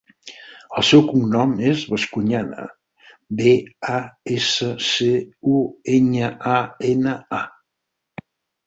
El seu cognom és Bascuñana: be, a, essa, ce, u, enya, a, ena, a.